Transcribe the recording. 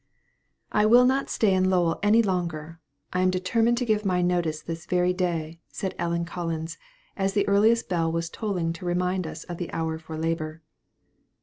"I will not stay in Lowell any longer; I am determined to give my notice this very day," said Ellen Collins, as the earliest bell was tolling to remind us of the hour for labor.